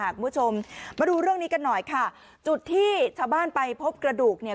คุณผู้ชมมาดูเรื่องนี้กันหน่อยค่ะจุดที่ชาวบ้านไปพบกระดูกเนี่ย